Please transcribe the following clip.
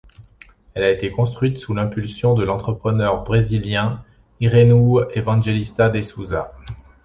Elle a été construite sous l'impulsion de l'entrepreneur brésilien Irineu Evangelista de Sousa.